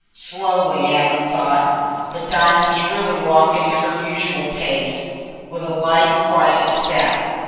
Slowly, Adam thought, but Dinah was really walking at her usual pace, with a light quiet step.